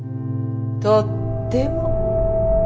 とっても。